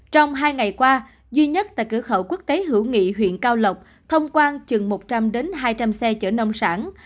trong hai ngày qua duy nhất tại cửa khẩu quốc tế hữu nghị huyện cao lộc thông quan chừng một trăm linh hai trăm linh xe chở nông sản